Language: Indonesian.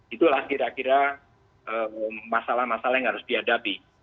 itulah kira kira masalah masalah yang harus dihadapi